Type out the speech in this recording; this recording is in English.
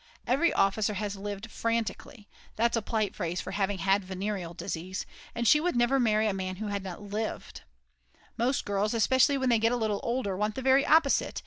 Every officer has lived frantically; that's a polite phrase for having had venereal disease, and she would never marry a man who had not lived. Most girls, especially when they get a little older; want the very opposite!